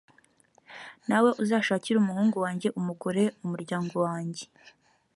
nawe uzashakire umuhungu wanjye umugore mu muryango wanjye